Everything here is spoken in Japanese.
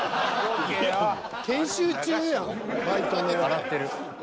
洗ってる。